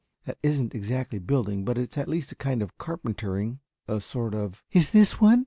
That isn't exactly building, but it is at least a kind of carpentering, a sort of " "Is this one?"